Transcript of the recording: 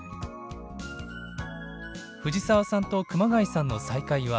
「藤澤さんと熊谷さんの再会は感動的だった。